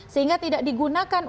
sehingga tidak digunakan